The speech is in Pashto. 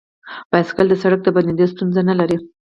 بایسکل د سړک د بندیدو ستونزه نه لري.